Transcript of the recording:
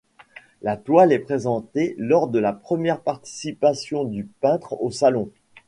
La toile est présentée lors de la première participation du peintre au Salon.